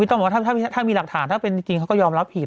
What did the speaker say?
ต้องบอกว่าถ้ามีหลักฐานถ้าเป็นจริงเขาก็ยอมรับผิด